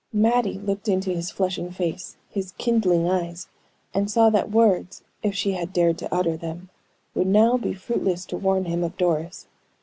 Mattie looked into his flushing face, his kindling eyes, and saw that words, if she had dared to utter them, would now be fruitless to warn him of Doris.